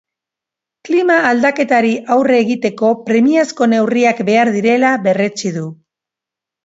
Klima-aldaketari aurre egiteko premiazko neurriak behar direla berretsi du.